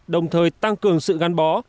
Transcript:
đồng thời tăng cường sự gắn bó